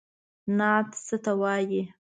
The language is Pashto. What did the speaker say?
نعت څه ته وايي؟